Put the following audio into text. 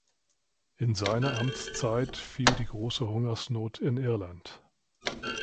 In seine Amtszeit fiel die Große Hungersnot in Irland.